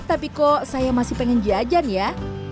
tapi kok saya masih pengen jajan ya